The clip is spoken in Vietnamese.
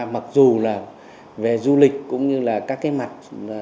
mặc dù là về du lịch cũng như là các cái mặt xã hội phát triển rất là tốt